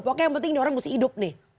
pokoknya yang penting orang ini mesti hidup nih